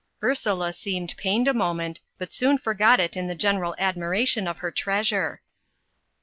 Ursula seemed pained a moment, but soon forgot it in the general admiration of her treasure.